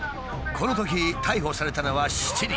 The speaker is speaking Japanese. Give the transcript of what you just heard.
このとき逮捕されたのは７人。